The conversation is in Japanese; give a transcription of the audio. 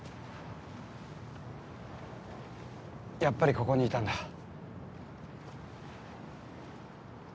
やっぱりここにいたんだ。